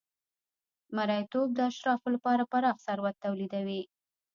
مریتوب د اشرافو لپاره پراخ ثروت تولیدوي.